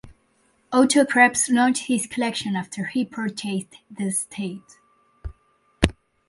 Otto Krebs launched his collection after he purchased the estate.